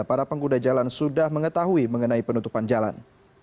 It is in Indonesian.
para pengguna jalan sudah mengetahui mengenai penutupan jalan